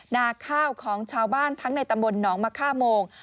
นาข้าวของชาวบ้านทั้งในตำบลหนองมะค่าโมง